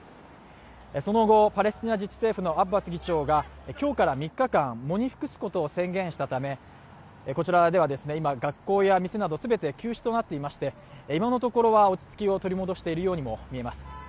その後、パレスチナ自治政府のアッバス議長が今日から３日間、喪に服すことを宣言したためこちらでは、今学校や店など全て休止となっていまして、今のところは落ち着きを取り戻しているようにも見えます。